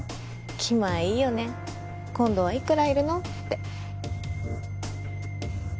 気前いいよね「今度はいくらいるの？」って